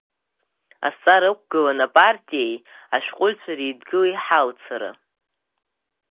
Азҵаара ықәгылан, апартиеи Ашәҟәыҩҩцәа Реидгылеи ҳалцара.